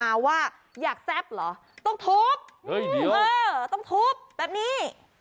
ว่าอยากแซ่บเหรอต้องทุบเออต้องทุบแบบนี้